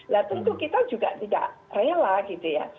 nah tentu kita juga tidak rela gitu ya